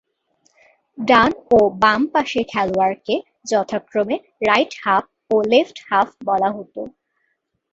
ডান ও বাম পাশের খেলোয়াড়কে যথাক্রমে রাইট হাফ ও লেফট হাফ বলা হত।